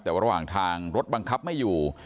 แต่ระหว่างทางรถบังคับไม่อยู่